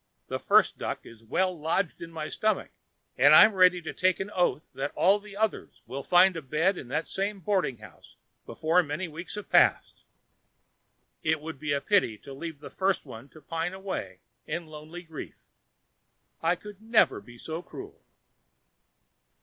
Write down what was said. The first duck is well lodged in my stomach, and I am ready to take an oath that all the others will find a bed in the same boarding house before many weeks are past. It would be a pity to leave the first one to pine away in lonely grief. I could never be so cruel."